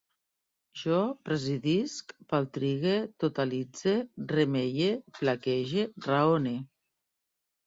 Jo presidisc, paltrigue, totalitze, remeie, plaquege, raone